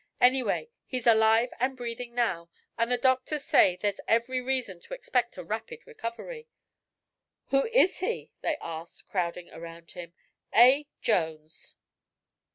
"Anyway, he's alive and breathing now, and the doctors say there's every reason to expect a rapid recovery." "Who is he?" they asked, crowding around him. "A. Jones."